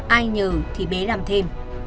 ai nhờ thì bé làm thêm